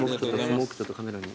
スモークちょっとカメラに。